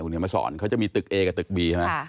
เดี๋ยวมาสอนเขาจะมีตึกเอกับตึกบีใช่ไหม